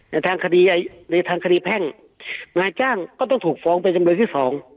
ในทางคดีแพ่งนายจ้างก็ต้องถูกฟ้องเป็นจำนวนที่สอง